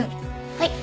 はい。